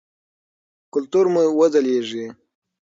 کلتور مو وځلیږي.